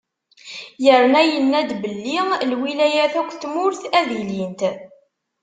Yerna yenna-d belli: “Lwilayat akk n tmurt, ad ilint."